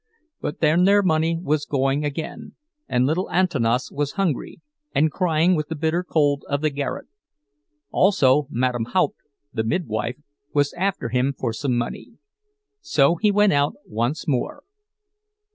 But then their money was going again, and little Antanas was hungry, and crying with the bitter cold of the garret. Also Madame Haupt, the midwife, was after him for some money. So he went out once more.